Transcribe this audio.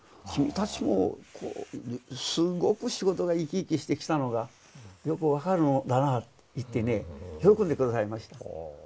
「君たちもすごく仕事が生き生きしてきたのがよく分かるもんだな」と言ってね喜んで下さいました。